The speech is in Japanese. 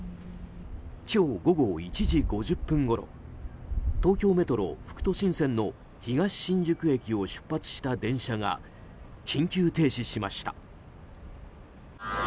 今日午後１時５０分ごろ東京メトロ副都心線の東新宿駅を出発した電車が緊急停止しました。